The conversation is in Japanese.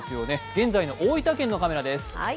現在の大分県のカメラです。